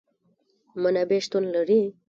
منابع شتون لري